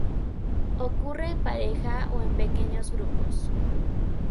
Ocurre en pareja o en pequeños grupos.